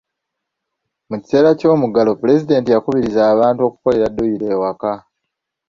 Mu kiseera ky'omuggalo, pulezidenti yakubiriza abantu okukolera dduyiro ewaka.